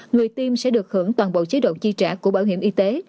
người tiêm sẽ được hưởng toàn bộ chế độ chi trả của bảo hiểm y tế